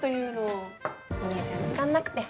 お姉ちゃん時間なくて。